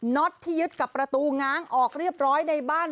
็อตที่ยึดกับประตูง้างออกเรียบร้อยในบ้าน